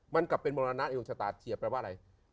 มันกลับเป็นมรณะในดวงชะตาเฉียดแปลว่าอะไร